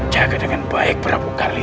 jaga dengan baik berapa kali